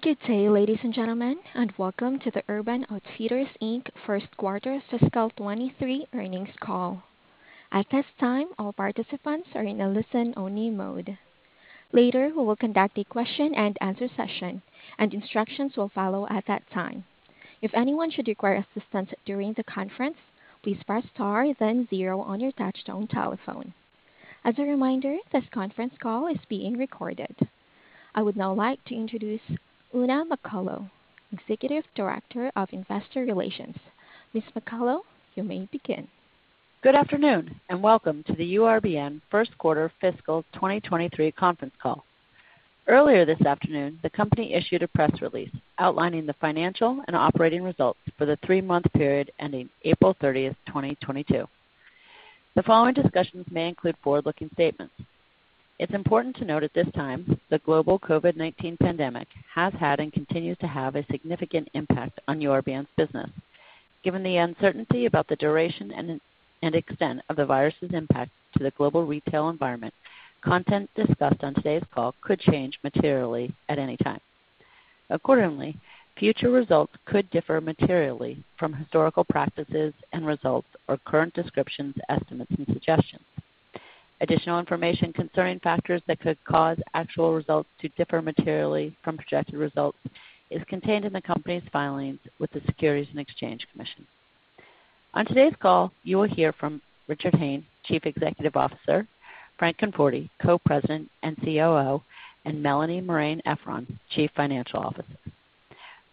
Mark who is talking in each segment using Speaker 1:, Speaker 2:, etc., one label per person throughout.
Speaker 1: Good day, ladies and gentlemen, and welcome to the Urban Outfitters, Inc first quarter fiscal 2023 earnings call. At this time, all participants are in a listen-only mode. Later, we will conduct a question-and-answer session, and instructions will follow at that time. If anyone should require assistance during the conference, please press Star, then zero on your touchtone telephone. As a reminder, this conference call is being recorded. I would now like to introduce Oona McCullough, Executive Director of Investor Relations. Ms. McCullough, you may begin.
Speaker 2: Good afternoon, and welcome to the URBN first quarter fiscal 2023 conference call. Earlier this afternoon, the company issued a press release outlining the financial and operating results for the three-month period ending April 30, 2022. The following discussions may include forward-looking statements. It's important to note at this time the global COVID-19 pandemic has had and continues to have a significant impact on URBN's business. Given the uncertainty about the duration and extent of the virus's impact to the global retail environment, content discussed on today's call could change materially at any time. Accordingly, future results could differ materially from historical practices and results or current descriptions, estimates and suggestions. Additional information concerning factors that could cause actual results to differ materially from projected results is contained in the company's filings with the Securities and Exchange Commission. On today's call, you will hear from Richard Hayne, Chief Executive Officer, Frank Conforti, Co-President and COO, and Melanie Marein-Efron, Chief Financial Officer.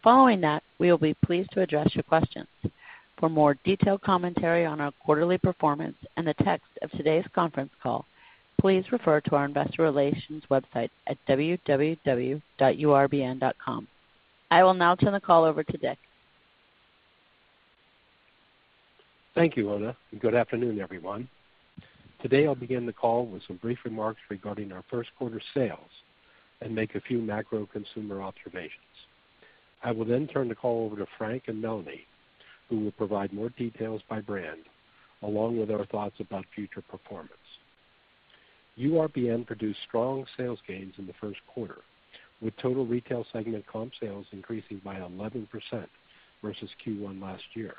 Speaker 2: Following that, we will be pleased to address your questions. For more detailed commentary on our quarterly performance and the text of today's conference call, please refer to our investor relations website at www.urbn.com. I will now turn the call over to Dick.
Speaker 3: Thank you, Oona, and good afternoon, everyone. Today, I'll begin the call with some brief remarks regarding our first quarter sales and make a few macro consumer observations. I will then turn the call over to Frank and Melanie, who will provide more details by brand, along with our thoughts about future performance. URBN produced strong sales gains in the first quarter, with total retail segment comp sales increasing by 11% versus Q1 last year.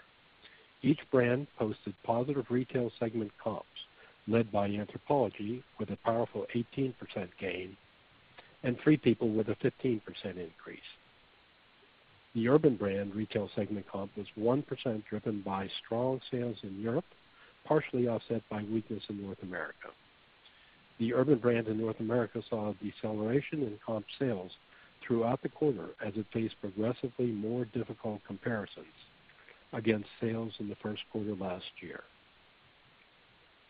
Speaker 3: Each brand posted positive retail segment comps led by Anthropologie, with a powerful 18% gain, and Free People with a 15% increase. The Urban brand retail segment comp was 1% driven by strong sales in Europe, partially offset by weakness in North America. The Urban Outfitters brand in North America saw a deceleration in comp sales throughout the quarter as it faced progressively more difficult comparisons against sales in the first quarter last year.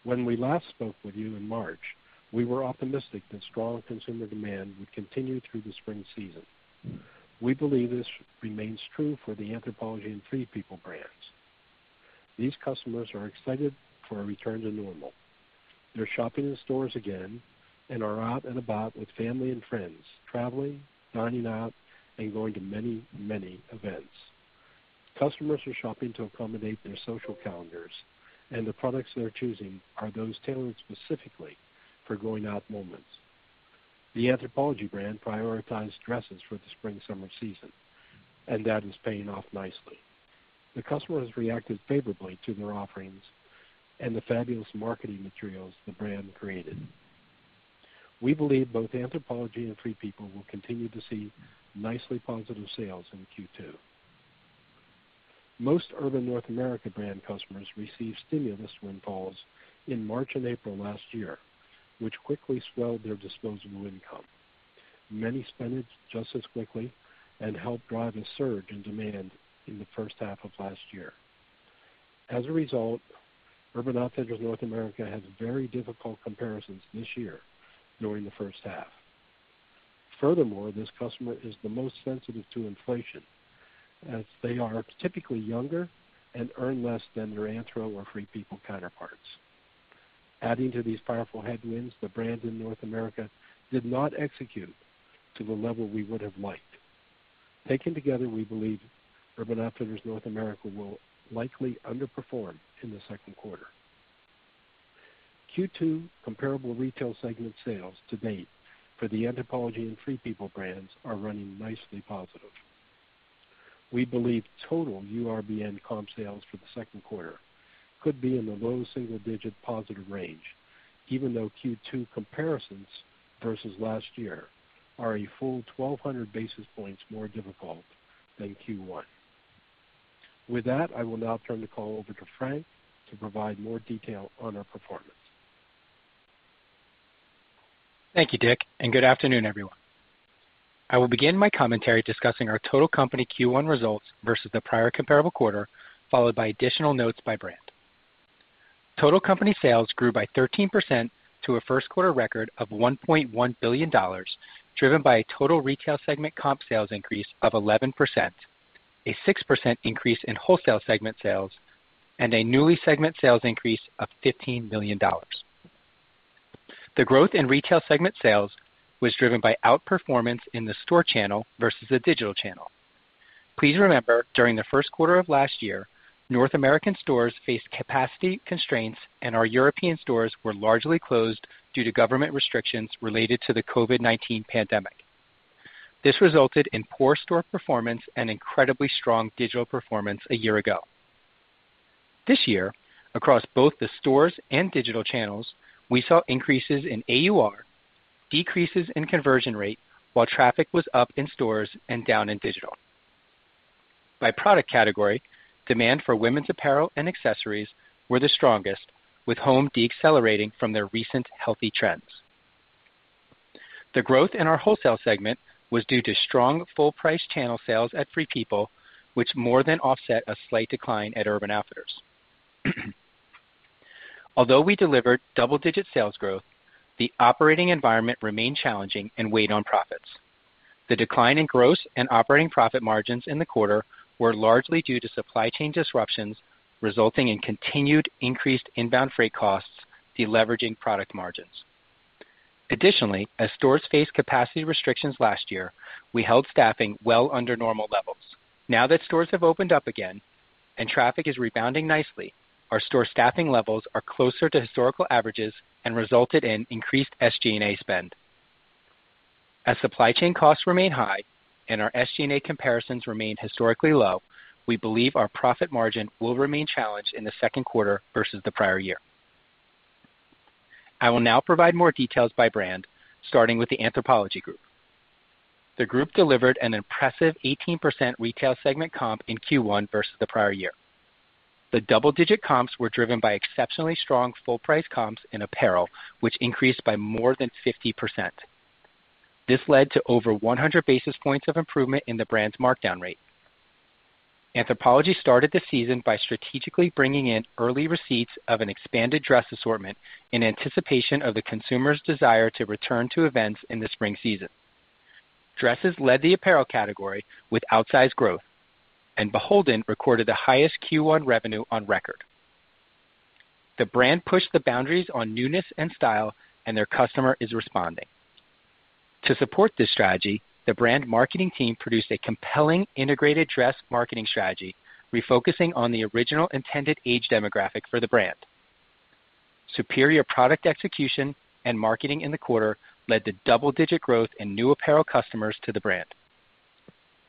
Speaker 3: When we last spoke with you in March, we were optimistic that strong consumer demand would continue through the spring season. We believe this remains true for the Anthropologie and Free People brands. These customers are excited for a return to normal. They're shopping in stores again and are out and about with family and friends, traveling, dining out, and going to many, many events. Customers are shopping to accommodate their social calendars, and the products they're choosing are those tailored specifically for going-out moments. The Anthropologie brand prioritized dresses for the spring/summer season, and that is paying off nicely. The customer has reacted favorably to their offerings and the fabulous marketing materials the brand created. We believe both Anthropologie and Free People will continue to see nicely positive sales in Q2. Most Urban Outfitters North America brand customers received stimulus windfalls in March and April last year, which quickly swelled their disposable income. Many spent it just as quickly and helped drive a surge in demand in the first half of last year. As a result, Urban Outfitters North America has very difficult comparisons this year during the first half. Furthermore, this customer is the most sensitive to inflation, as they are typically younger and earn less than their Anthro or Free People counterparts. Adding to these powerful headwinds, the brand in North America did not execute to the level we would have liked. Taken together, we believe Urban Outfitters North America will likely underperform in the second quarter. Q2 comparable retail segment sales to date for the Anthropologie and Free People brands are running nicely positive. We believe total URBN comp sales for the second quarter could be in the low single-digit positive range, even though Q2 comparisons versus last year are a full 1,200 basis points more difficult than Q1. With that, I will now turn the call over to Frank to provide more detail on our performance.
Speaker 4: Thank you, Dick, and good afternoon, everyone. I will begin my commentary discussing our total company Q1 results versus the prior comparable quarter, followed by additional notes by brand. Total company sales grew by 13% to a first quarter record of $1.1 billion, driven by a total retail segment comp sales increase of 11%, a 6% increase in wholesale segment sales, and a Nuuly segment sales increase of $15 million. The growth in retail segment sales was driven by outperformance in the store channel versus the digital channel. Please remember, during the first quarter of last year, North American stores faced capacity constraints and our European stores were largely closed due to government restrictions related to the COVID-19 pandemic. This resulted in poor store performance and incredibly strong digital performance a year ago. This year, across both the stores and digital channels, we saw increases in AUR, decreases in conversion rate, while traffic was up in stores and down in digital. By product category, demand for women's apparel and accessories were the strongest, with home decelerating from their recent healthy trends. The growth in our wholesale segment was due to strong full price channel sales at Free People, which more than offset a slight decline at Urban Outfitters. Although we delivered double-digit sales growth, the operating environment remained challenging and weighed on profits. The decline in gross and operating profit margins in the quarter were largely due to supply chain disruptions, resulting in continued increased inbound freight costs, deleveraging product margins. Additionally, as stores faced capacity restrictions last year, we held staffing well under normal levels. Now that stores have opened up again and traffic is rebounding nicely, our store staffing levels are closer to historical averages and resulted in increased SG&A spend. As supply chain costs remain high and our SG&A comparisons remain historically low, we believe our profit margin will remain challenged in the second quarter versus the prior year. I will now provide more details by brand, starting with the Anthropologie Group. The group delivered an impressive 18% retail segment comp in Q1 versus the prior year. The double-digit comps were driven by exceptionally strong full price comps in apparel, which increased by more than 50%. This led to over 100 basis points of improvement in the brand's markdown rate. Anthropologie started the season by strategically bringing in early receipts of an expanded dress assortment in anticipation of the consumer's desire to return to events in the spring season. Dresses led the apparel category with outsized growth, and BHLDN recorded the highest Q1 revenue on record. The brand pushed the boundaries on newness and style, and their customer is responding. To support this strategy, the brand marketing team produced a compelling integrated dress marketing strategy, refocusing on the original intended age demographic for the brand. Superior product execution and marketing in the quarter led to double-digit growth in new apparel customers to the brand.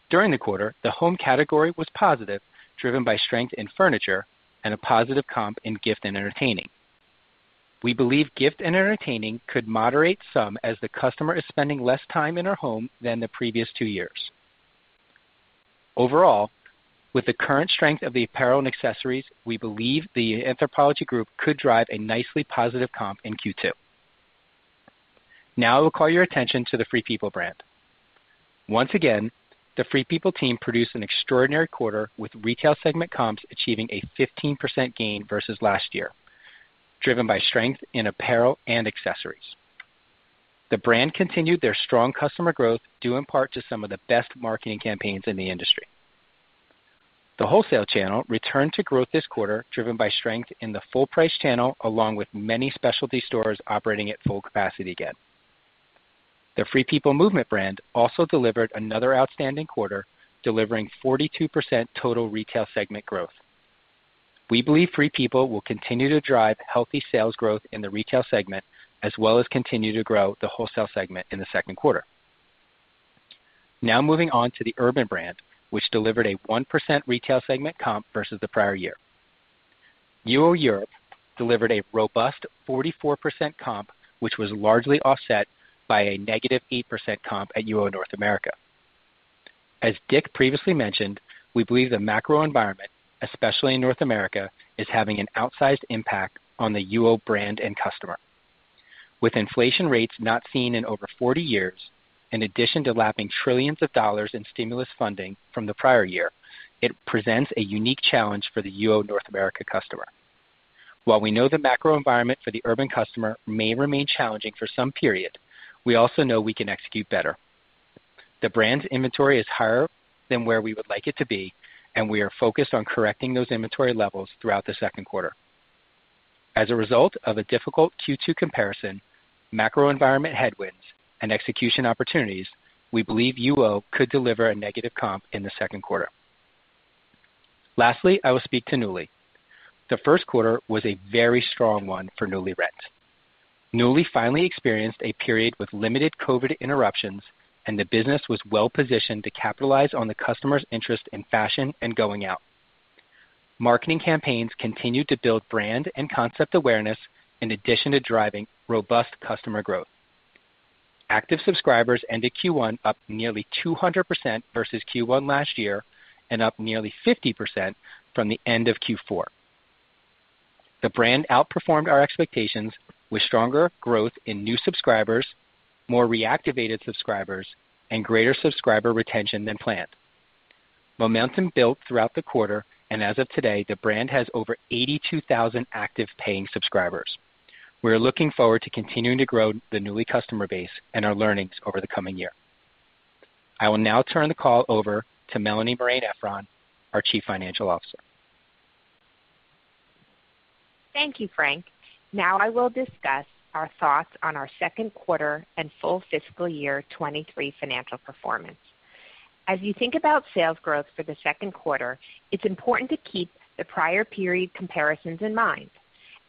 Speaker 4: During the quarter, the home category was positive, driven by strength in furniture and a positive comp in gift and entertaining. We believe gift and entertaining could moderate some as the customer is spending less time in her home than the previous two years. Overall, with the current strength of the apparel and accessories, we believe the Anthropologie Group could drive a nicely positive comp in Q2. Now I will call your attention to the Free People brand. Once again, the Free People team produced an extraordinary quarter with retail segment comps achieving a 15% gain versus last year, driven by strength in apparel and accessories. The brand continued their strong customer growth, due in part to some of the best marketing campaigns in the industry. The wholesale channel returned to growth this quarter, driven by strength in the full price channel, along with many specialty stores operating at full capacity again. The FP Movement brand also delivered another outstanding quarter, delivering 42% total retail segment growth. We believe Free People will continue to drive healthy sales growth in the retail segment, as well as continue to grow the wholesale segment in the second quarter. Now moving on to the Urban brand, which delivered a 1% retail segment comp versus the prior year. UO Europe delivered a robust 44% comp, which was largely offset by a -8% comp at UO North America. As Dick previously mentioned, we believe the macro environment, especially in North America, is having an outsized impact on the UO brand and customer. With inflation rates not seen in over 40 years, in addition to lapping trillions of dollars in stimulus funding from the prior year, it presents a unique challenge for the UO North America customer. While we know the macro environment for the Urban customer may remain challenging for some period, we also know we can execute better. The brand's inventory is higher than where we would like it to be, and we are focused on correcting those inventory levels throughout the second quarter. As a result of a difficult Q2 comparison, macro environment headwinds, and execution opportunities, we believe UO could deliver a negative comp in the second quarter. Lastly, I will speak to Nuuly. The first quarter was a very strong one for Nuuly Rent. Nuuly finally experienced a period with limited COVID interruptions, and the business was well-positioned to capitalize on the customer's interest in fashion and going out. Marketing campaigns continued to build brand and concept awareness in addition to driving robust customer growth. Active subscribers ended Q1 up nearly 200% versus Q1 last year and up nearly 50% from the end of Q4. The brand outperformed our expectations with stronger growth in new subscribers, more reactivated subscribers, and greater subscriber retention than planned. Momentum built throughout the quarter, and as of today, the brand has over 82,000 active paying subscribers. We are looking forward to continuing to grow the Nuuly customer base and our learnings over the coming year. I will now turn the call over to Melanie Marein-Efron, our Chief Financial Officer.
Speaker 5: Thank you, Frank. Now I will discuss our thoughts on our second quarter and full fiscal year 2023 financial performance. As you think about sales growth for the second quarter, it's important to keep the prior period comparisons in mind.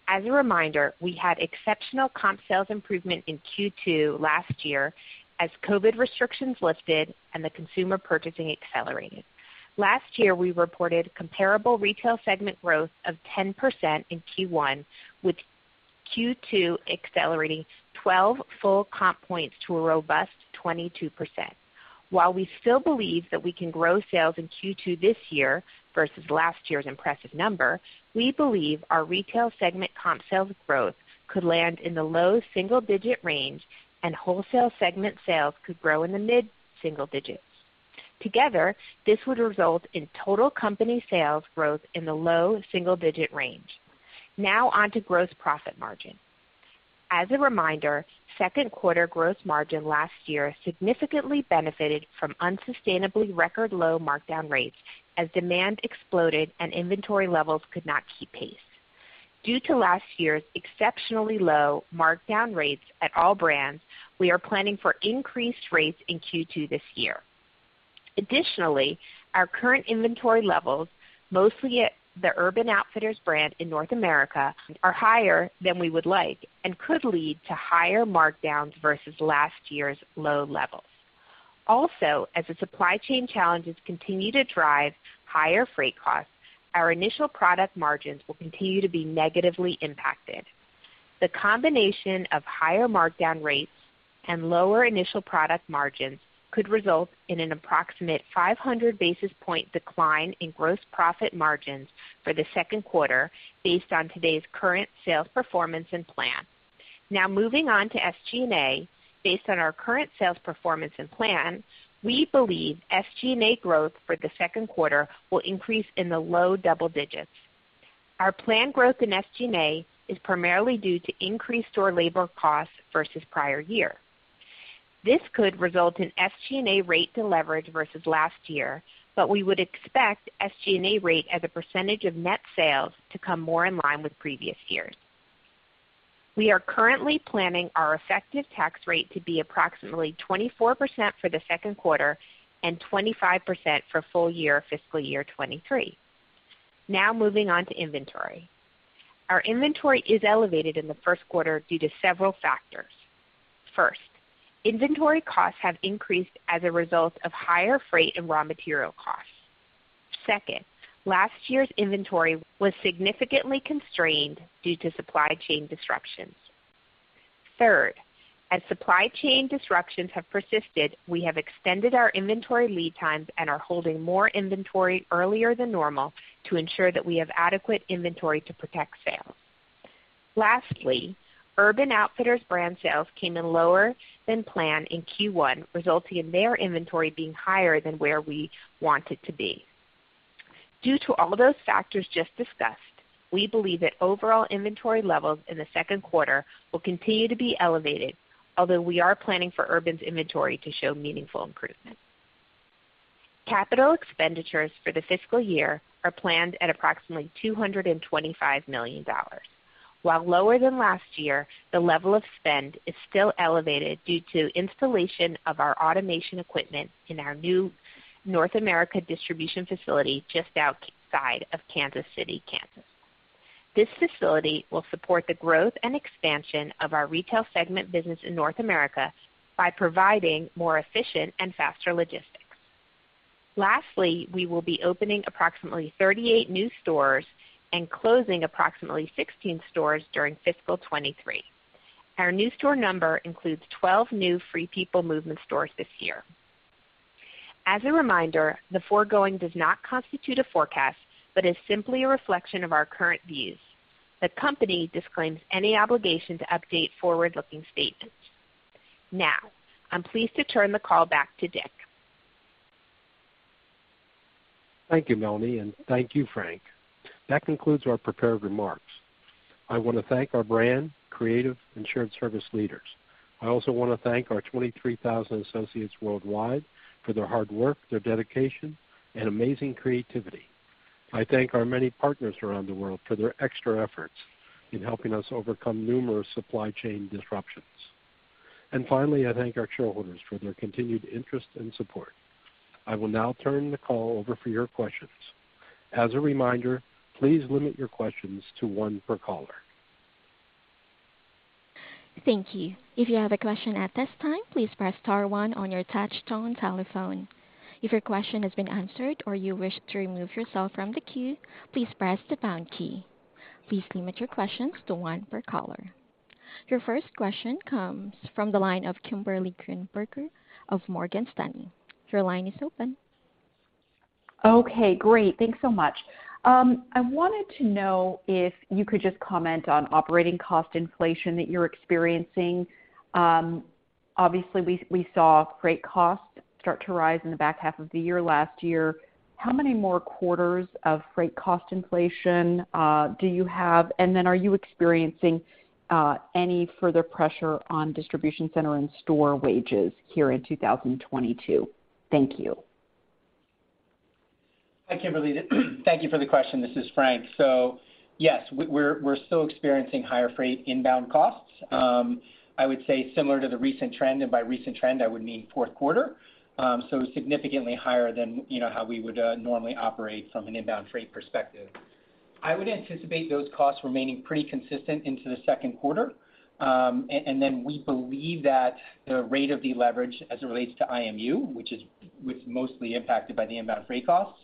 Speaker 5: As a reminder, we had exceptional comp sales improvement in Q2 last year as COVID restrictions lifted and the consumer purchasing accelerated. Last year, we reported comparable retail segment growth of 10% in Q1, with Q2 accelerating 12 full comp points to a robust 22%. While we still believe that we can grow sales in Q2 this year versus last year's impressive number, we believe our retail segment comp sales growth could land in the low single-digit range, and wholesale segment sales could grow in the mid-single digits. Together, this would result in total company sales growth in the low single-digit range. Now on to gross profit margin. As a reminder, second quarter gross margin last year significantly benefited from unsustainably record low markdown rates as demand exploded and inventory levels could not keep pace. Due to last year's exceptionally low markdown rates at all brands, we are planning for increased rates in Q2 this year. Additionally, our current inventory levels, mostly at the Urban Outfitters brand in North America, are higher than we would like and could lead to higher markdowns versus last year's low levels. Also, as the supply chain challenges continue to drive higher freight costs, our initial product margins will continue to be negatively impacted. The combination of higher markdown rates and lower initial product margins could result in an approximate 500 basis point decline in gross profit margins for the second quarter based on today's current sales performance and plan. Now moving on to SG&A. Based on our current sales performance and plan, we believe SG&A growth for the second quarter will increase in the low double digits. Our planned growth in SG&A is primarily due to increased store labor costs versus prior year. This could result in SG&A rate deleverage versus last year, but we would expect SG&A rate as a percentage of net sales to come more in line with previous years. We are currently planning our effective tax rate to be approximately 24% for the second quarter and 25% for full year fiscal year 2023. Now moving on to inventory. Our inventory is elevated in the first quarter due to several factors. First, inventory costs have increased as a result of higher freight and raw material costs. Second, last year's inventory was significantly constrained due to supply chain disruptions. Third, as supply chain disruptions have persisted, we have extended our inventory lead times and are holding more inventory earlier than normal to ensure that we have adequate inventory to protect sales. Lastly, Urban Outfitters brand sales came in lower than plan in Q1, resulting in their inventory being higher than where we want it to be. Due to all those factors just discussed, we believe that overall inventory levels in the second quarter will continue to be elevated, although we are planning for Urban's inventory to show meaningful improvement. Capital expenditures for the fiscal year are planned at approximately $225 million. While lower than last year, the level of spend is still elevated due to installation of our automation equipment in our new North America distribution facility just outside of Kansas City, Kansas. This facility will support the growth and expansion of our retail segment business in North America by providing more efficient and faster logistics. Lastly, we will be opening approximately 38 new stores and closing approximately 16 stores during fiscal 2023. Our new store number includes 12 new Free People Movement stores this year. As a reminder, the foregoing does not constitute a forecast, but is simply a reflection of our current views. The company disclaims any obligation to update forward-looking statements. Now, I'm pleased to turn the call back to Dick.
Speaker 3: Thank you, Melanie, and thank you, Frank. That concludes our prepared remarks. I want to thank our brand, creative, and shared service leaders. I also want to thank our 23,000 associates worldwide for their hard work, their dedication, and amazing creativity. I thank our many partners around the world for their extra efforts in helping us overcome numerous supply chain disruptions. Finally, I thank our shareholders for their continued interest and support. I will now turn the call over for your questions. As a reminder, please limit your questions to one per caller.
Speaker 1: Thank you. If you have a question at this time, please press star one on your touchtone telephone. If your question has been answered or you wish to remove yourself from the queue, please press the pound key. Please limit your questions to one per caller. Your first question comes from the line of Kimberly Greenberger of Morgan Stanley. Your line is open.
Speaker 6: Okay, great. Thanks so much. I wanted to know if you could just comment on operating cost inflation that you're experiencing. Obviously we saw freight costs start to rise in the back half of the year last year. How many more quarters of freight cost inflation do you have? And then are you experiencing any further pressure on distribution center and store wages here in 2022? Thank you.
Speaker 4: Hi, Kimberly Greenberger. Thank you for the question. This is Frank Conforti. Yes, we're still experiencing higher freight inbound costs. I would say similar to the recent trend, and by recent trend, I would mean fourth quarter. Significantly higher than, you know, how we would normally operate from an inbound freight perspective. I would anticipate those costs remaining pretty consistent into the second quarter. We believe that the rate of deleverage as it relates to IMU, which was mostly impacted by the inbound freight costs,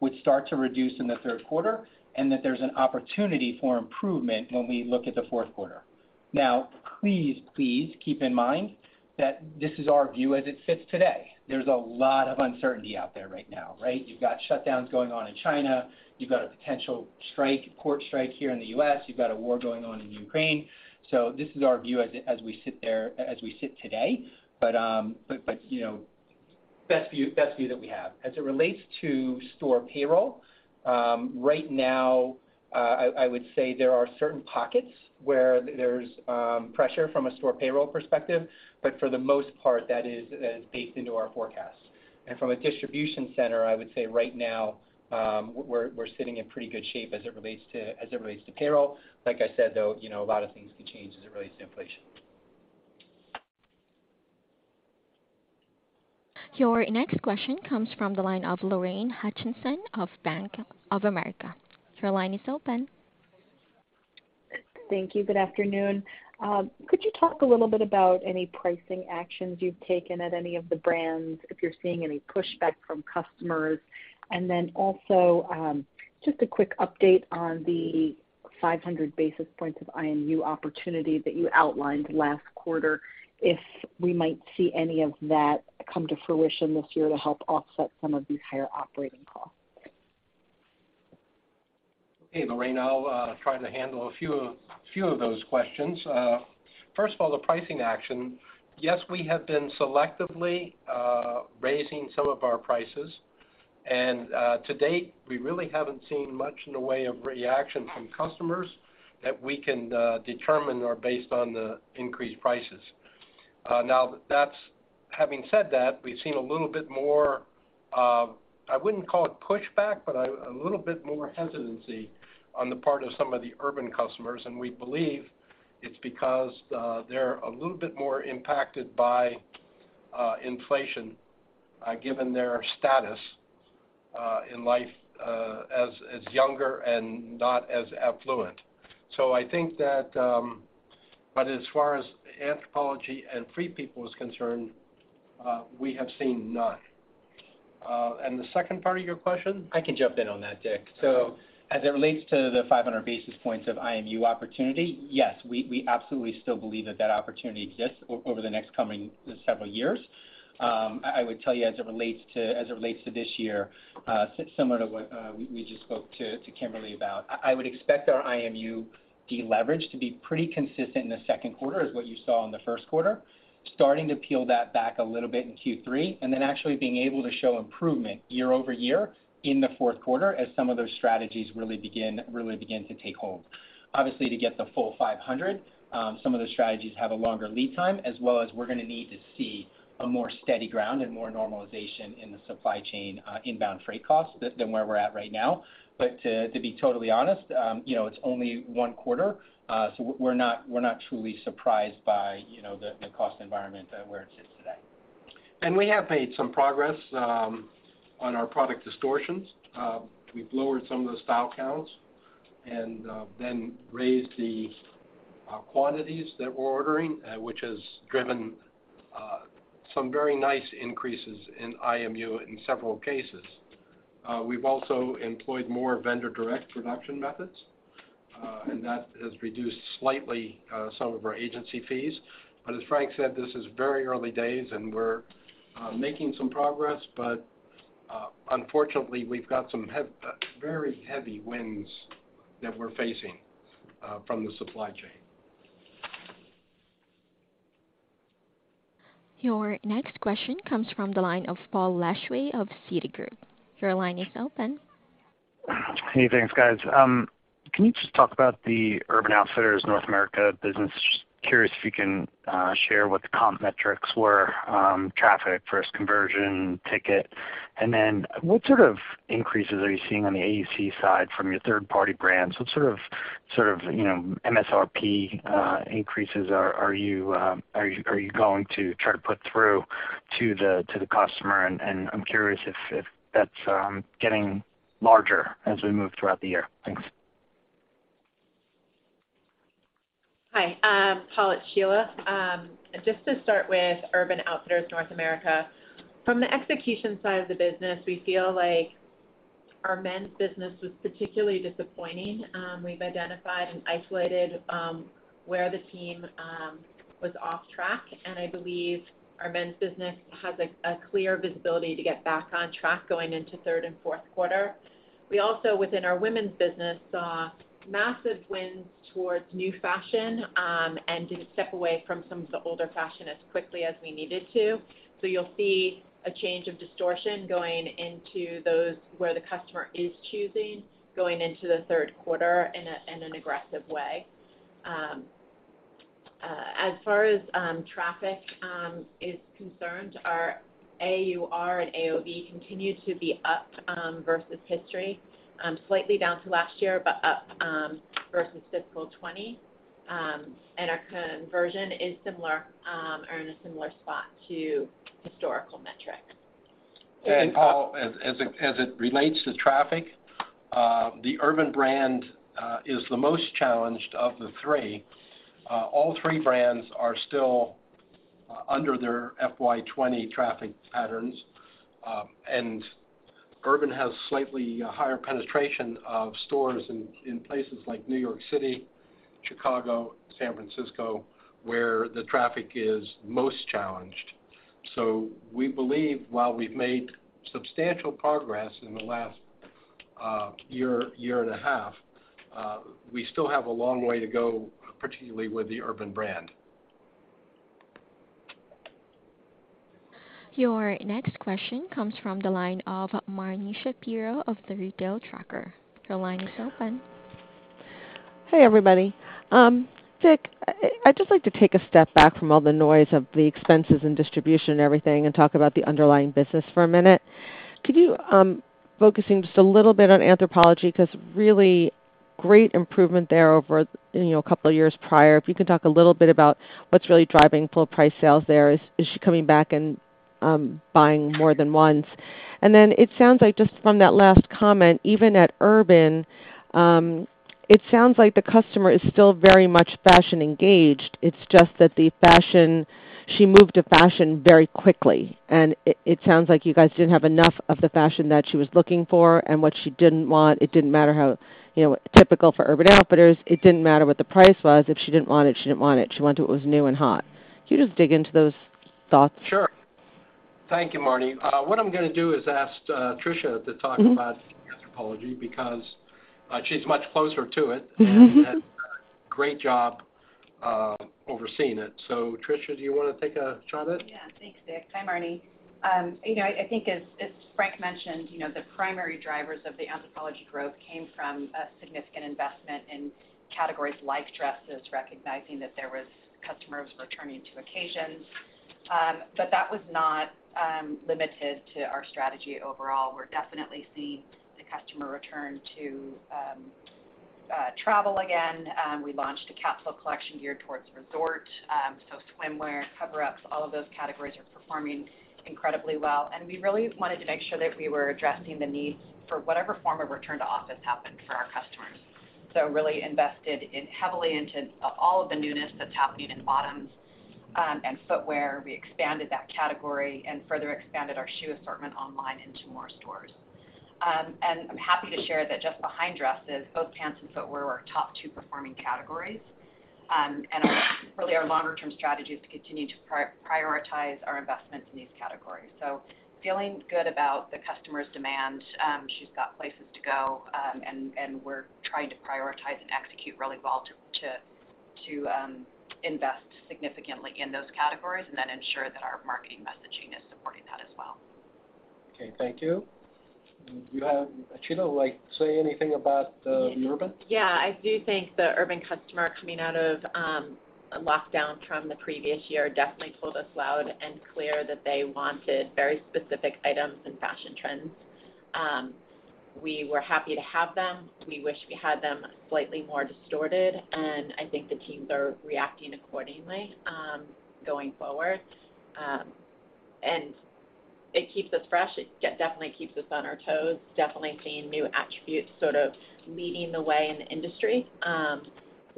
Speaker 4: would start to reduce in the third quarter, and that there's an opportunity for improvement when we look at the fourth quarter. Now, please keep in mind that this is our view as it sits today. There's a lot of uncertainty out there right now, right? You've got shutdowns going on in China. You've got a potential strike, port strike here in the U.S. You've got a war going on in Ukraine. This is our view as we sit today. You know, best view that we have. As it relates to store payroll, right now, I would say there are certain pockets where there's pressure from a store payroll perspective, but for the most part, that is baked into our forecast. From a distribution center, I would say right now, we're sitting in pretty good shape as it relates to payroll. Like I said, though, you know, a lot of things could change as it relates to inflation.
Speaker 1: Your next question comes from the line of Lorraine Hutchinson of Bank of America. Your line is open.
Speaker 7: Thank you. Good afternoon. Could you talk a little bit about any pricing actions you've taken at any of the brands, if you're seeing any pushback from customers? Just a quick update on the 500 basis points of IMU opportunity that you outlined last quarter, if we might see any of that come to fruition this year to help offset some of these higher operating costs.
Speaker 3: Okay, Lorraine. I'll try to handle a few of those questions. First of all, the pricing action. Yes, we have been selectively raising some of our prices. To date, we really haven't seen much in the way of reaction from customers that we can determine are based on the increased prices. Now, having said that, we've seen a little bit more. I wouldn't call it pushback, but a little bit more hesitancy on the part of some of the Urban customers, and we believe it's because they're a little bit more impacted by inflation, given their status in life as younger and not as affluent. I think that as far as Anthropologie and Free People is concerned, we have seen none. The second part of your question?
Speaker 4: I can jump in on that, Dick. As it relates to the 500 basis points of IMU opportunity, yes, we absolutely still believe that opportunity exists over the next coming several years. I would tell you as it relates to this year, similar to what we just spoke to Kimberly about, I would expect our IMU deleverage to be pretty consistent in the second quarter as what you saw in the first quarter, starting to peel that back a little bit in Q3, and then actually being able to show improvement year-over-year in the fourth quarter as some of those strategies really begin to take hold. Obviously, to get the full 500, some of the strategies have a longer lead time, as well as we're gonna need to see a more steady ground and more normalization in the supply chain, inbound freight costs than where we're at right now. To be totally honest, you know, it's only one quarter, so we're not truly surprised by, you know, the cost environment where it sits today.
Speaker 3: We have made some progress on our product assortments. We've lowered some of the style counts and then raised the quantities that we're ordering, which has driven some very nice increases in IMU in several cases. We've also employed more vendor direct production methods, and that has reduced slightly some of our agency fees. As Frank said, this is very early days, and we're making some progress. Unfortunately, we've got some headwinds that we're facing from the supply chain.
Speaker 1: Your next question comes from the line of Paul Lejuez of Citigroup. Your line is open.
Speaker 8: Hey, thanks, guys. Can you just talk about the Urban Outfitters North America business? Just curious if you can share what the comp metrics were, traffic versus conversion ticket. What sort of increases are you seeing on the e-com side from your third-party brands? What sort of you know MSRP increases are you going to try to put through to the customer? I'm curious if that's getting larger as we move throughout the year. Thanks.
Speaker 9: Hi, Paul, it's Sheila. Just to start with Urban Outfitters North America. From the execution side of the business, we feel like our men's business was particularly disappointing. We've identified and isolated where the team was off track, and I believe our men's business has a clear visibility to get back on track going into third and fourth quarter. We also, within our women's business, saw massive wins towards new fashion and didn't step away from some of the older fashion as quickly as we needed to. You'll see a change of distortion going into those where the customer is choosing going into the third quarter in an aggressive way. As far as traffic is concerned, our AUR and AOV continue to be up versus history, slightly down to last year, but up versus fiscal 2020. Our conversion is similar or in a similar spot to historical metrics.
Speaker 3: Paul, as it relates to traffic, the Urban brand is the most challenged of the three. All three brands are still under their FY 2020 traffic patterns. Urban has slightly higher penetration of stores in places like New York City, Chicago, San Francisco, where the traffic is most challenged. We believe while we've made substantial progress in the last year and a half, we still have a long way to go, particularly with the Urban brand.
Speaker 1: Your next question comes from the line of Marni Shapiro of The Retail Tracker. Your line is open.
Speaker 10: Hey, everybody. Dick, I'd just like to take a step back from all the noise of the expenses and distribution and everything and talk about the underlying business for a minute. Could you focus just a little bit on Anthropologie, 'cause really great improvement there over, you know, a couple of years prior. If you can talk a little bit about what's really driving full price sales there. Is she coming back and buying more than once? Then it sounds like just from that last comment, even at Urban, it sounds like the customer is still very much fashion engaged. It's just that the fashion she moved to very quickly, and it sounds like you guys didn't have enough of the fashion that she was looking for. What she didn't want, it didn't matter how, you know, typical for Urban Outfitters, it didn't matter what the price was. If she didn't want it, she didn't want it. She wanted what was new and hot. Can you just dig into those thoughts?
Speaker 3: Sure. Thank you, Marni. What I'm gonna do is ask Tricia to talk about Anthropologie because she's much closer to it.
Speaker 10: Mm-hmm...
Speaker 3: has done a great job, overseeing it. Tricia, do you wanna take a shot at it?
Speaker 11: Yeah. Thanks, Richard. Hi, Marni. You know, I think as Frank mentioned, you know, the primary drivers of the Anthropologie growth came from a significant investment in categories like dresses, recognizing that there was customers returning to occasions. That was not limited to our strategy overall. We're definitely seeing the customer return to travel again. We launched a capsule collection geared towards resort. Swimwear, coverups, all of those categories are performing incredibly well. We really wanted to make sure that we were addressing the needs for whatever form of return to office happened for our customers. Really invested heavily into all of the newness that's happening in bottoms and footwear. We expanded that category and further expanded our shoe assortment online into more stores. I'm happy to share that just behind dresses, both pants and footwear were our top two performing categories. Really our longer term strategy is to continue to prioritize our investments in these categories. Feeling good about the customer's demand. She's got places to go, and we're trying to prioritize and execute really well to invest significantly in those categories and then ensure that our marketing messaging is supporting that as well.
Speaker 3: Okay. Thank you. Do you have Sheila like say anything about Urban?
Speaker 9: Yeah. I do think the Urban customer coming out of a lockdown from the previous year definitely told us loud and clear that they wanted very specific items and fashion trends. We were happy to have them. We wish we had them slightly more distorted, and I think the teams are reacting accordingly going forward. It keeps us fresh. It definitely keeps us on our toes. Definitely seeing new attributes sort of leading the way in the industry.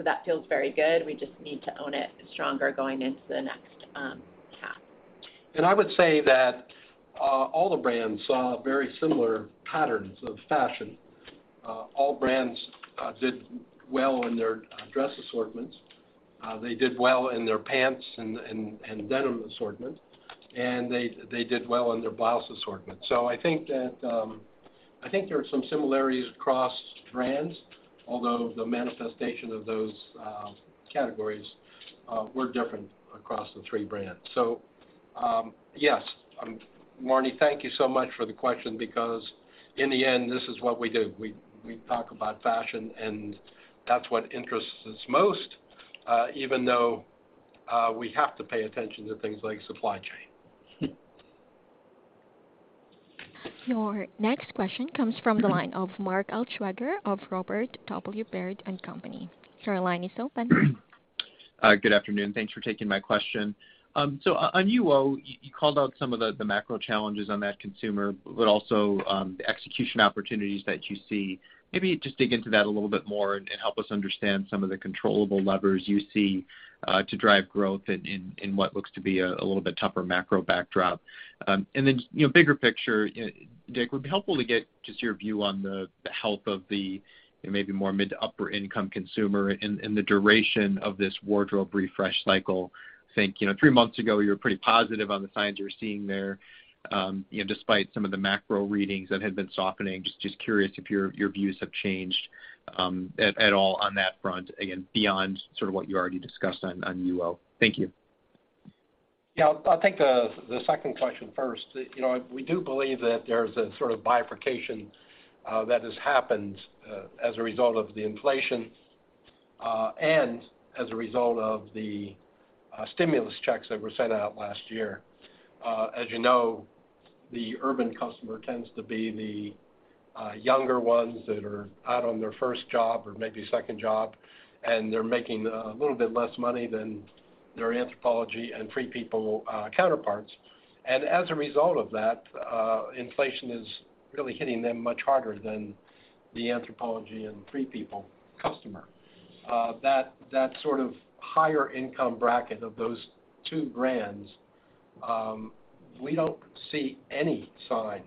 Speaker 9: That feels very good. We just need to own it stronger going into the next half.
Speaker 3: I would say that all the brands saw very similar patterns of fashion. All brands did well in their dress assortments. They did well in their pants and denim assortment, and they did well in their blouse assortment. I think that there are some similarities across brands, although the manifestation of those categories were different across the three brands. Yes. Marni, thank you so much for the question because in the end, this is what we do. We talk about fashion, and that's what interests us most, even though we have to pay attention to things like supply chain.
Speaker 1: Your next question comes from the line of Mark Altschwager of Robert W. Baird & Co. Your line is open.
Speaker 12: Good afternoon. Thanks for taking my question. So on UO, you called out some of the macro challenges on that consumer, but also the execution opportunities that you see. Maybe just dig into that a little bit more and help us understand some of the controllable levers you see to drive growth in what looks to be a little bit tougher macro backdrop. You know, bigger picture, Dick, would be helpful to get just your view on the health of the, you know, maybe more mid to upper income consumer and the duration of this wardrobe refresh cycle. I think, you know, three months ago, you were pretty positive on the signs you were seeing there, you know, despite some of the macro readings that had been softening. Just curious if your views have changed at all on that front, again, beyond sort of what you already discussed on UO. Thank you.
Speaker 3: Yeah, I'll take the second question first. You know, we do believe that there's a sort of bifurcation that has happened as a result of the inflation and as a result of the stimulus checks that were sent out last year. As you know, the Urban customer tends to be the younger ones that are out on their first job or maybe second job, and they're making a little bit less money than their Anthropologie and Free People counterparts. As a result of that, inflation is really hitting them much harder than the Anthropologie and Free People customer. That sort of higher income bracket of those two brands, we don't see any sign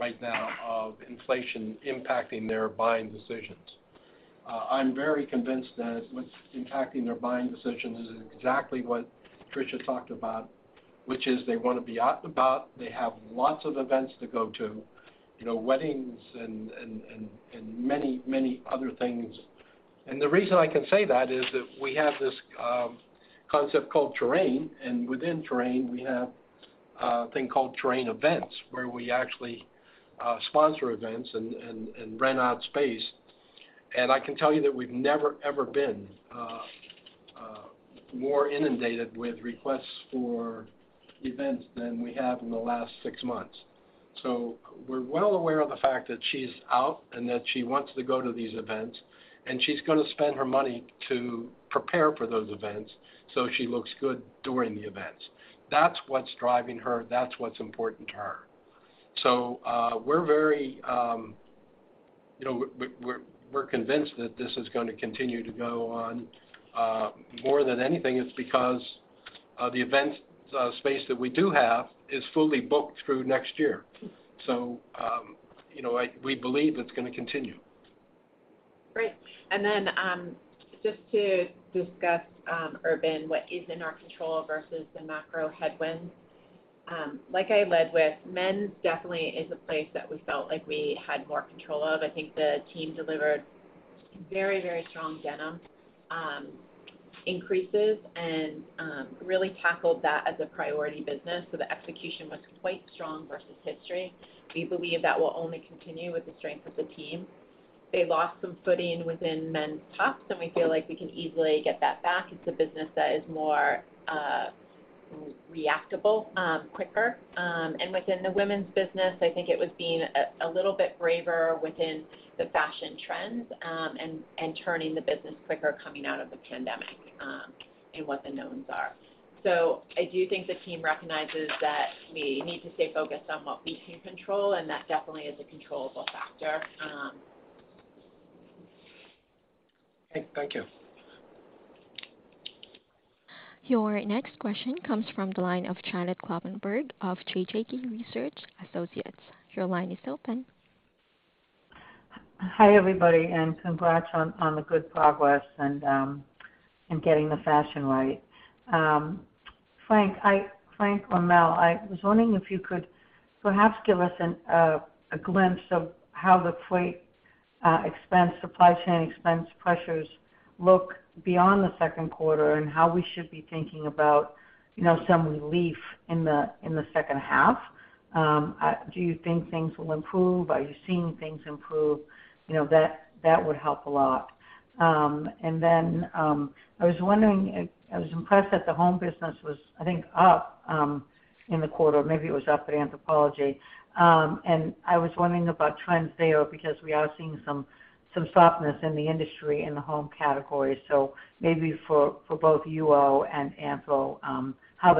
Speaker 3: right now of inflation impacting their buying decisions. I'm very convinced that what's impacting their buying decisions is exactly what Tricia talked about, which is they wanna be out and about, they have lots of events to go to, you know, weddings and many other things. The reason I can say that is that we have this concept called Terrain. Within Terrain, we have a thing called Terrain Events, where we actually sponsor events and rent out space. I can tell you that we've never, ever been more inundated with requests for events than we have in the last six months. We're well aware of the fact that she's out and that she wants to go to these events, and she's gonna spend her money to prepare for those events so she looks good during the events. That's what's driving her. That's what's important to her. We're very. You know, we're convinced that this is gonna continue to go on. More than anything, it's because the event space that we do have is fully booked through next year. You know, we believe it's gonna continue.
Speaker 11: Great. Just to discuss Urban, what is in our control versus the macro headwinds. Like I led with, men's definitely is a place that we felt like we had more control of. I think the team delivered very, very strong denim increases and really tackled that as a priority business. The execution was quite strong versus history. We believe that will only continue with the strength of the team. They lost some footing within men's tops, and we feel like we can easily get that back. It's a business that is more reactable, quicker. Within the women's business, I think it was being a little bit braver within the fashion trends and turning the business quicker coming out of the pandemic and what the knowns are. I do think the team recognizes that we need to stay focused on what we can control, and that definitely is a controllable factor.
Speaker 12: Okay. Thank you.
Speaker 1: Your next question comes from the line of Janet Kloppenburg of JJK Research Associates. Your line is open.
Speaker 13: Hi, everybody, and congrats on the good progress and getting the fashion right. Frank or Mel, I was wondering if you could perhaps give us a glimpse of how the freight expense, supply chain expense pressures look beyond the second quarter and how we should be thinking about, you know, some relief in the second half. Do you think things will improve? Are you seeing things improve? You know, that would help a lot. I was wondering, I was impressed that the home business was, I think, up in the quarter, maybe it was up at Anthropologie. I was wondering about trends there because we are seeing some softness in the industry in the home category. Maybe for both UO and Anthro, how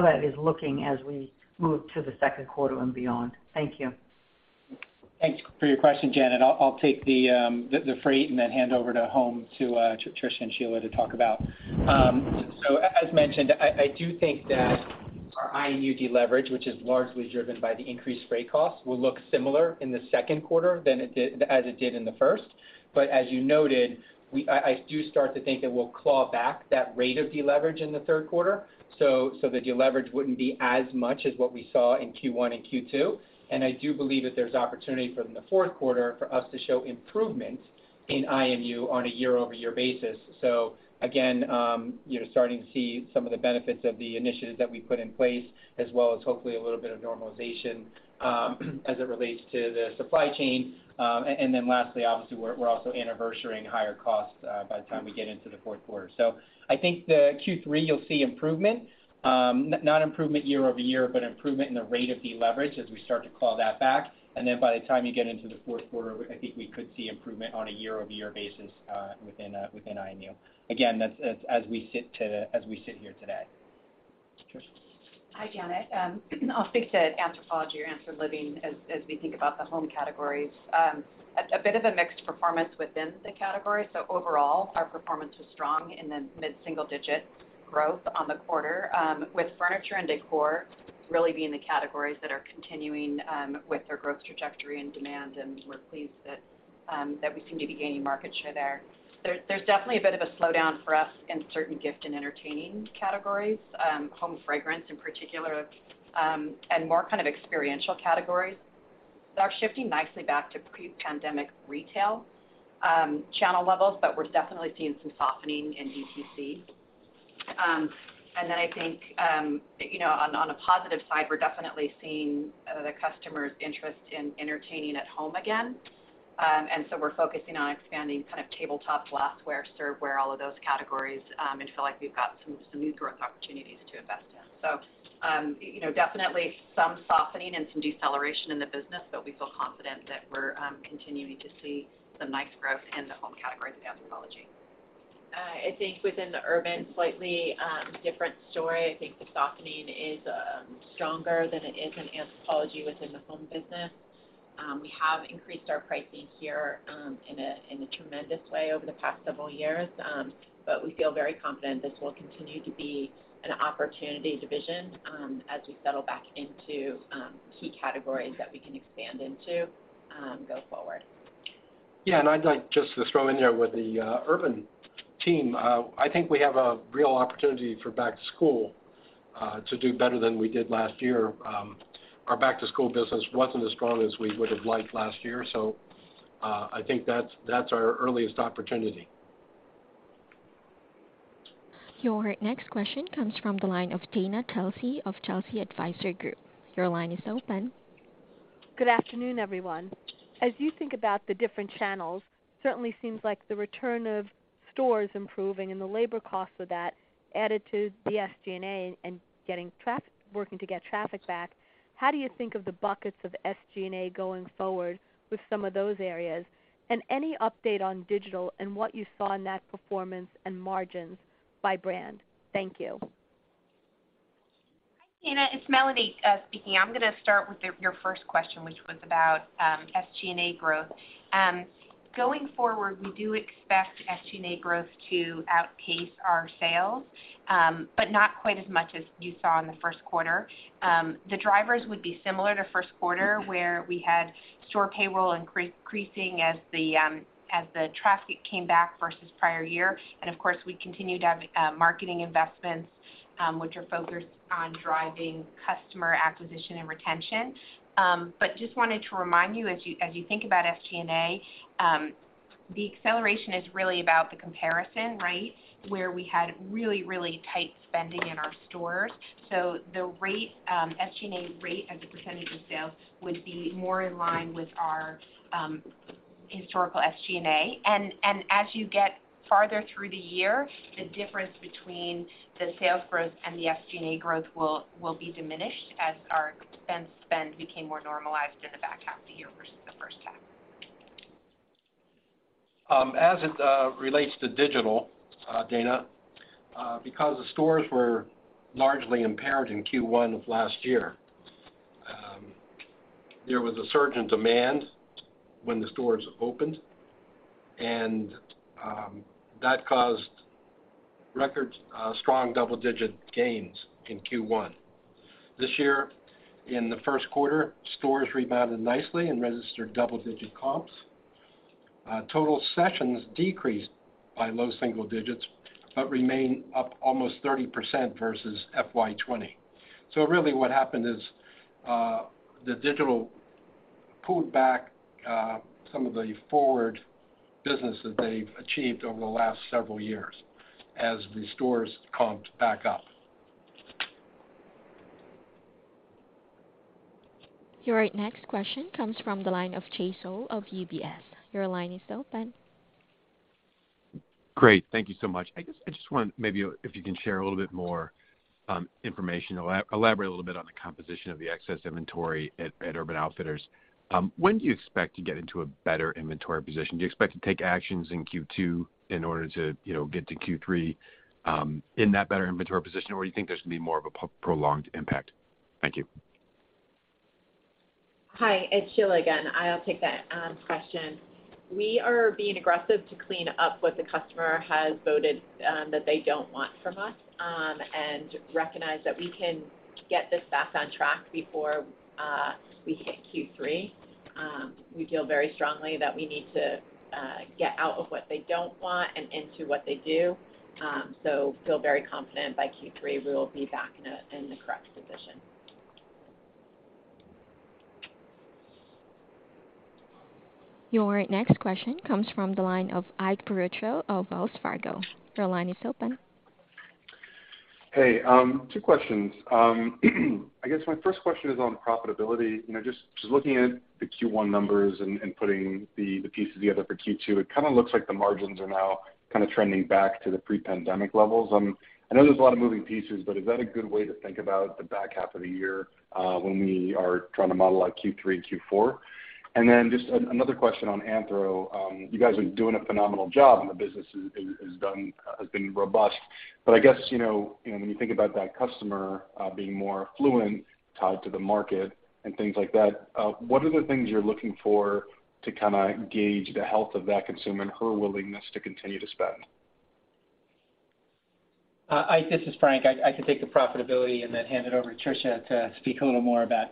Speaker 13: that is looking as we move to the second quarter and beyond. Thank you.
Speaker 4: Thanks for your question, Janet. I'll take the freight and then hand over to whom to Tricia and Sheila to talk about. As mentioned, I do think that our IMU deleverage, which is largely driven by the increased freight costs, will look similar in the second quarter as it did in the first. As you noted, I do start to think that we'll claw back that rate of deleverage in the third quarter so the deleverage wouldn't be as much as what we saw in Q1 and Q2. I do believe that there's opportunity from the fourth quarter for us to show improvement in IMU on a year-over-year basis.
Speaker 3: Again, you're starting to see some of the benefits of the initiatives that we put in place, as well as hopefully a little bit of normalization, as it relates to the supply chain. And then lastly, obviously, we're also anniversarying higher costs, by the time we get into the fourth quarter. I think the Q3 you'll see improvement, not improvement year-over-year, but improvement in the rate of deleverage as we start to claw that back. By the time you get into the fourth quarter, I think we could see improvement on a year-over-year basis, within IMU. Again, that's as we sit here today. Tricia?
Speaker 11: Hi, Janet Kloppenburg. I'll speak to Anthropologie or Anthro Living as we think about the home categories. A bit of a mixed performance within the category. Overall, our performance was strong in the mid-single-digit growth on the quarter, with furniture and decor really being the categories that are continuing with their growth trajectory and demand. We're pleased that we seem to be gaining market share there. There's definitely a bit of a slowdown for us in certain gift and entertaining categories, home fragrance in particular, and more kind of experiential categories. They're shifting nicely back to pre-pandemic retail channel levels, but we're definitely seeing some softening in DTC. Then I think, you know, on a positive side, we're definitely seeing the customers' interest in entertaining at home again. We're focusing on expanding kind of tabletop glassware, serveware, all of those categories, and feel like we've got some new growth opportunities to invest in. You know, definitely some softening and some deceleration in the business, but we feel confident that we're continuing to see some nice growth in the home category of Anthropologie. I think within the Urban, slightly, different story. I think the softening is stronger than it is in Anthropologie within the home business. We have increased our pricing here in a tremendous way over the past several years. We feel very confident this will continue to be an opportunity division as we settle back into key categories that we can expand into go forward.
Speaker 3: Yeah, I'd like just to throw in there with the Urban team. I think we have a real opportunity for back to school to do better than we did last year. Our back to school business wasn't as strong as we would've liked last year, so I think that's our earliest opportunity.
Speaker 1: Your next question comes from the line of Dana Telsey of Telsey Advisory Group. Your line is open.
Speaker 14: Good afternoon, everyone. As you think about the different channels, certainly seems like the return of stores improving and the labor costs of that added to the SG&A and getting traffic, working to get traffic back, how do you think of the buckets of SG&A going forward with some of those areas? Any update on digital and what you saw in that performance and margins by brand? Thank you.
Speaker 5: Hi, Dana, it's Melanie speaking. I'm gonna start with your first question, which was about SG&A growth. Going forward, we do expect SG&A growth to outpace our sales, but not quite as much as you saw in the first quarter. The drivers would be similar to first quarter, where we had store payroll increasing as the traffic came back versus prior year. Of course, we continue to have marketing investments, which are focused on driving customer acquisition and retention. Just wanted to remind you, as you think about SG&A, the acceleration is really about the comparison, right? Where we had really tight spending in our stores. The rate, SG&A rate as a percentage of sales would be more in line with our historical SG&A. As you get farther through the year, the difference between the sales growth and the SG&A growth will be diminished as our expense spend became more normalized in the back half of the year versus the first half.
Speaker 3: As it relates to digital, Dana, because the stores were largely impaired in Q1 of last year, there was a surge in demand when the stores opened, and that caused record strong double-digit gains in Q1. This year, in the first quarter, stores rebounded nicely and registered double-digit comps. Total sessions decreased by low single digits but remain up almost 30% versus FY 2020. Really what happened is, the digital pulled back some of the forward business that they've achieved over the last several years as the stores comped back up.
Speaker 1: Your next question comes from the line of Jay Sole of UBS. Your line is open.
Speaker 15: Great. Thank you so much. I just wonder maybe if you can share a little bit more information or elaborate a little bit on the composition of the excess inventory at Urban Outfitters. When do you expect to get into a better inventory position? Do you expect to take actions in Q2 in order to, you know, get to Q3 in that better inventory position, or you think there's gonna be more of a prolonged impact? Thank you.
Speaker 9: Hi, it's Sheila again. I'll take that question. We are being aggressive to clean up what the customer has voted that they don't want from us and recognize that we can get this back on track before we hit Q3. We feel very strongly that we need to get out of what they don't want and into what they do. Feel very confident by Q3, we will be back in the correct position.
Speaker 1: Your next question comes from the line of Ike Boruchow of Wells Fargo. Your line is open.
Speaker 16: Hey, two questions. I guess my first question is on profitability. You know, just looking at the Q1 numbers and putting the pieces together for Q2, it kinda looks like the margins are now kinda trending back to the pre-pandemic levels. I know there's a lot of moving pieces, but is that a good way to think about the back half of the year, when we are trying to model out Q3 and Q4? Just another question on Anthro. You guys are doing a phenomenal job, and the business has been robust. I guess, you know, when you think about that customer, being more affluent, tied to the market and things like that, what are the things you're looking for to kinda gauge the health of that consumer and her willingness to continue to spend?
Speaker 4: Ike, this is Frank. I can take the profitability and then hand it over to Tricia to speak a little more about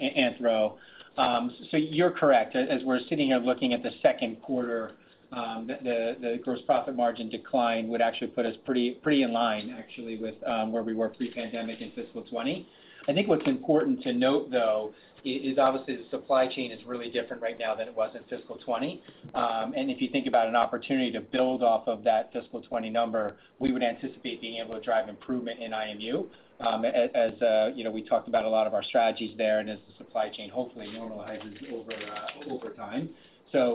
Speaker 4: Anthropologie. You're correct. As we're sitting here looking at the second quarter, the gross profit margin decline would actually put us pretty in line actually with where we were pre-pandemic in fiscal 2020. I think what's important to note, though, is obviously the supply chain is really different right now than it was in fiscal 2020. If you think about an opportunity to build off of that fiscal 2020 number, we would anticipate being able to drive improvement in IMU, as you know we talked about a lot of our strategies there, and as the supply chain hopefully normalizes over time.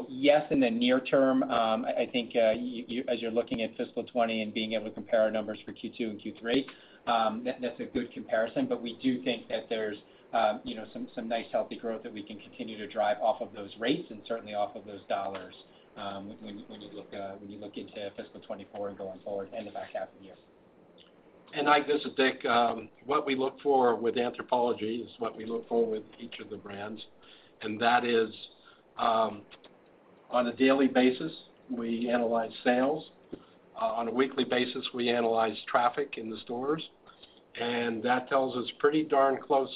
Speaker 4: Yes, in the near term, I think you, as you're looking at fiscal 2020 and being able to compare our numbers for Q2 and Q3, that's a good comparison. We do think that there's, you know, some nice healthy growth that we can continue to drive off of those rates and certainly off of those dollars, when you look into fiscal 2024 going forward and the back half of the year.
Speaker 3: Ike, this is Dick. What we look for with Anthropologie is what we look for with each of the brands, and that is, on a daily basis, we analyze sales. On a weekly basis, we analyze traffic in the stores. That tells us pretty darn close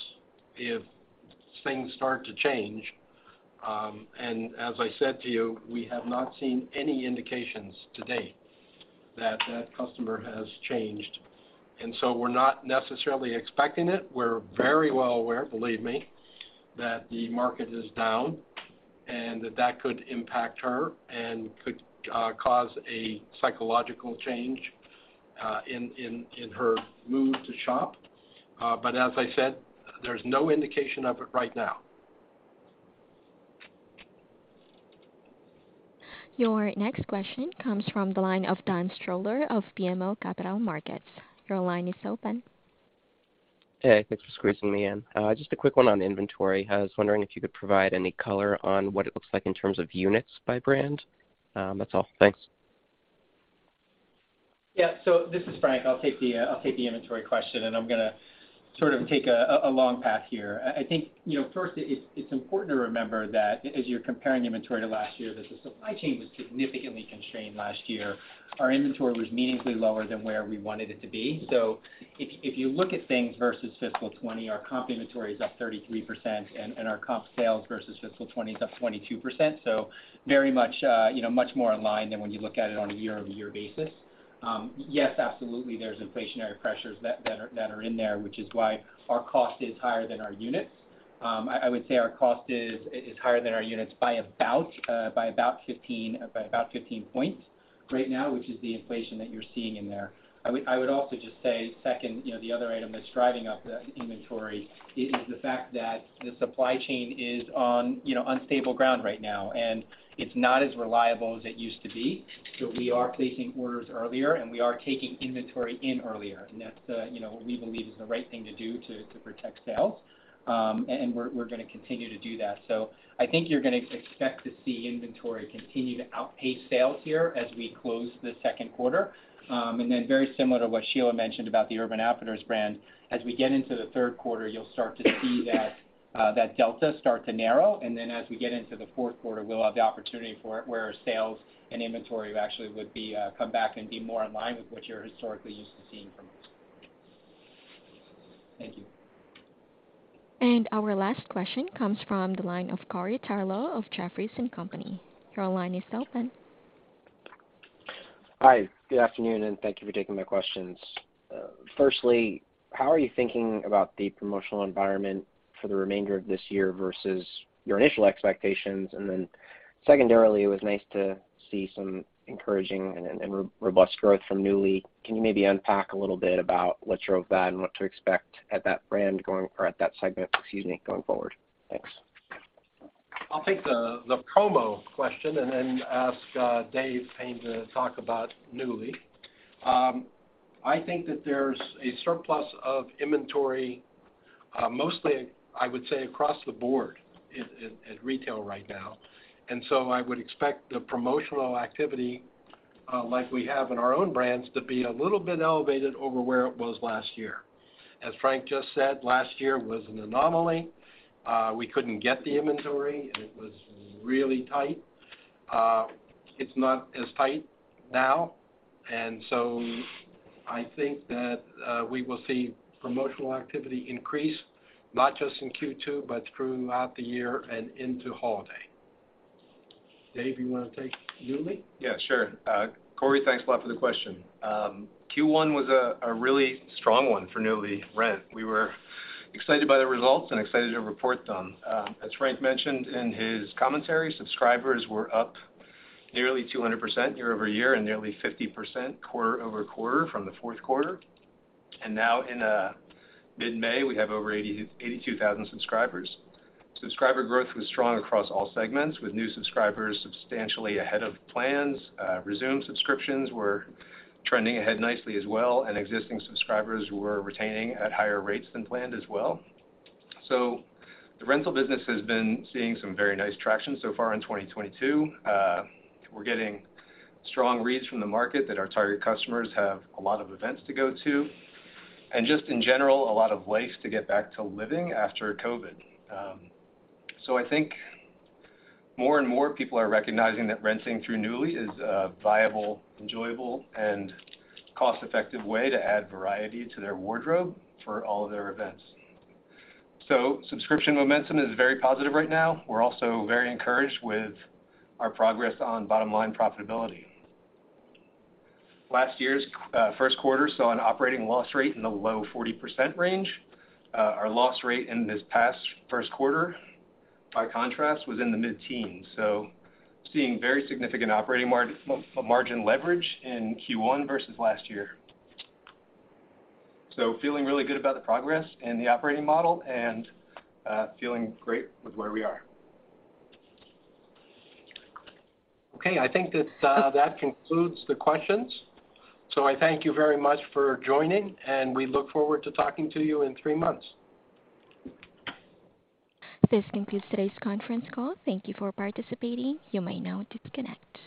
Speaker 3: if things start to change. As I said to you, we have not seen any indications to date that that customer has changed. We're not necessarily expecting it. We're very well aware, believe me, that the market is down and that that could impact her and could cause a psychological change, in her mood to shop. As I said, there's no indication of it right now.
Speaker 1: Your next question comes from the line of Simeon Siegel of BMO Capital Markets. Your line is open.
Speaker 17: Hey, thanks for squeezing me in. Just a quick one on inventory. I was wondering if you could provide any color on what it looks like in terms of units by brand. That's all. Thanks.
Speaker 4: Yeah. This is Frank. I'll take the inventory question, and I'm gonna sort of take a long path here. I think, you know, first it's important to remember that as you're comparing inventory to last year, that the supply chain was significantly constrained last year. Our inventory was meaningfully lower than where we wanted it to be. If you look at things versus fiscal 2020, our comp inventory is up 33% and our comp sales versus fiscal 2020 is up 22%. Very much, you know, much more in line than when you look at it on a year-over-year basis. Yes, absolutely, there's inflationary pressures that are in there, which is why our cost is higher than our units. I would say our cost is higher than our units by about 15% right now, which is the inflation that you're seeing in there. I would also just say second, you know, the other item that's driving up the inventory is the fact that the supply chain is on, you know, unstable ground right now, and it's not as reliable as it used to be. We are placing orders earlier, and we are taking inventory in earlier, and that's, you know, what we believe is the right thing to do to protect sales. We're gonna continue to do that. I think you're gonna expect to see inventory continue to outpace sales here as we close the second quarter. Very similar to what Sheila mentioned about the Urban Outfitters brand, as we get into the third quarter, you'll start to see that that delta start to narrow. As we get into the fourth quarter, we'll have the opportunity for where our sales and inventory actually would be come back and be more in line with what you're historically used to seeing from us. Thank you.
Speaker 1: Our last question comes from the line of Corey Tarlowe of Jefferies & Company. Your line is open.
Speaker 18: Hi, good afternoon, and thank you for taking my questions. Firstly, how are you thinking about the promotional environment for the remainder of this year versus your initial expectations? Secondarily, it was nice to see some encouraging and robust growth from Nuuly. Can you maybe unpack a little bit about what drove that and what to expect at that brand or at that segment, excuse me, going forward? Thanks.
Speaker 3: I'll take the promo question and then ask Dave Hayne to talk about Nuuly. I think that there's a surplus of inventory, mostly I would say across the board at retail right now. I would expect the promotional activity, like we have in our own brands to be a little bit elevated over where it was last year. As Frank just said, last year was an anomaly. We couldn't get the inventory. It was really tight. It's not as tight now, and so I think that we will see promotional activity increase, not just in Q2, but throughout the year and into holiday. Dave, you wanna take Nuuly?
Speaker 19: Yeah, sure. Corey, thanks a lot for the question. Q1 was a really strong one for Nuuly. We were excited by the results and excited to report them. As Frank mentioned in his commentary, subscribers were up nearly 200% year-over-year and nearly 50% quarter-over-quarter from the fourth quarter. Now in mid-May, we have over 82,000 subscribers. Subscriber growth was strong across all segments, with new subscribers substantially ahead of plans. Resume subscriptions were trending ahead nicely as well, and existing subscribers were retaining at higher rates than planned as well. The rental business has been seeing some very nice traction so far in 2022. We're getting strong reads from the market that our target customers have a lot of events to go to and just in general a lot of life to get back to living after COVID. I think more and more people are recognizing that renting through Nuuly is a viable, enjoyable, and cost-effective way to add variety to their wardrobe for all of their events. Subscription momentum is very positive right now. We're also very encouraged with our progress on bottom line profitability. Last year's first quarter saw an operating loss rate in the low 40% range. Our loss rate in this past first quarter, by contrast, was in the mid-teens%, so seeing very significant operating margin leverage in Q1 versus last year. Feeling really good about the progress in the operating model and feeling great with where we are.
Speaker 3: Okay. I think that that concludes the questions. I thank you very much for joining, and we look forward to talking to you in three months.
Speaker 1: This concludes today's conference call. Thank you for participating. You may now disconnect.